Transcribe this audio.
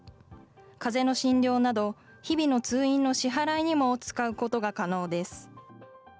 かぜの診療など、日々の通院の支払いにも使うことが可能です。